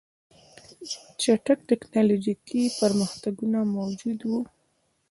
چټک ټکنالوژیکي پرمختګونه موجود وو